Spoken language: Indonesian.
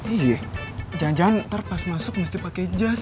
iya jangan jangan ntar pas masuk mesti pake jas